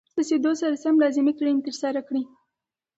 رسیدو سره سم لازمې کړنې ترسره کړئ.